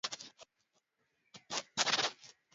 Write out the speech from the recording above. Matajiri wakujua, wema wako wameonja,